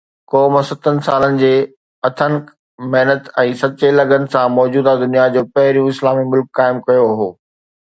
قوم ستن سالن جي اڻٿڪ محنت ۽ سچي لگن سان موجوده دنيا جو پهريون اسلامي ملڪ قائم ڪيو هو